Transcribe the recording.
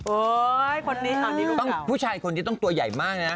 โอ๊ยคนนี้ตอนนี้ลูกเก่าผู้ชายคนนี้ต้องตัวใหญ่มากนะ